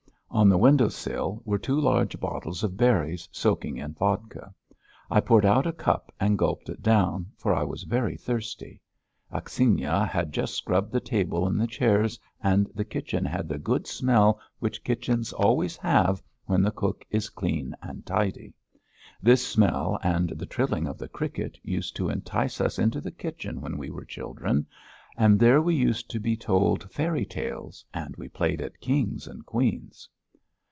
On the window sill were two large bottles of berries soaking in vodka. I poured out a cup and gulped it down, for I was very thirsty. Akhsinya had just scrubbed the table and the chairs, and the kitchen had the good smell which kitchens always have when the cook is clean and tidy. This smell and the trilling of the cricket used to entice us into the kitchen when we were children, and there we used to be told fairy tales, and we played at kings and queens....